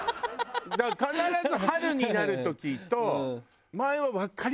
だから必ず春になる時と。